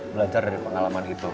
belajar dari pengalaman itu